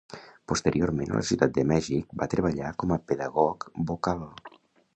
Posteriorment a la Ciutat de Mèxic va treballar com a pedagog vocal.